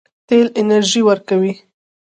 تیل انرژي ورکوي.